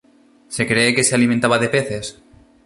Se cree que se alimentaba de peces.